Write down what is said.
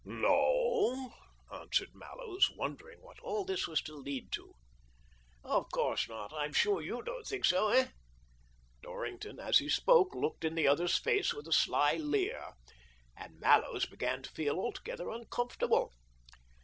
" No," answered Mallows, wondering what all this was to lead to. "Of course not; I'm sure you don't think so, eh?" Dorrington, as he spoke, looked in the other's face with a sly leer, and Mallows began to feel altogether uncomfortable.